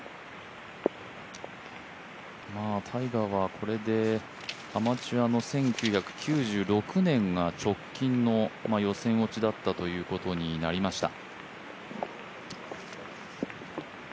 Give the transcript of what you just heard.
タイガーはこれでアマチュアの１９９６年が直近の予選落ちだったということになりました。